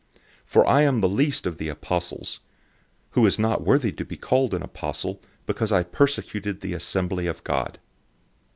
015:009 For I am the least of the apostles, who is not worthy to be called an apostle, because I persecuted the assembly of God.